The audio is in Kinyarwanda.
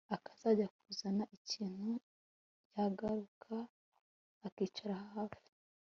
akajya kuzana ikintu yagaruka akicara hafi